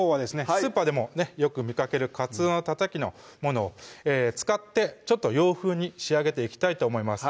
スーパーでもよく見かけるかつおのたたきのものを使ってちょっと洋風に仕上げていきたいと思います